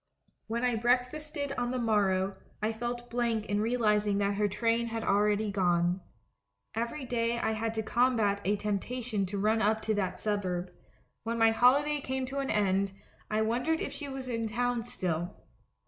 "When I breakfasted on the morrow, I felt blank in realising that her train had already gone. Every day I had to combat a temptation to run up to that suburb. When my holiday came to an end, I wondered if she was in town still.